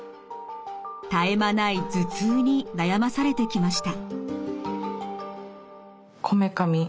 絶え間ない頭痛に悩まされてきました。